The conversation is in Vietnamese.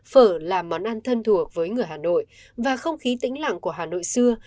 phở là món ăn thân thuộc với người hà nội và không khí tĩnh lặng của hà nội xưa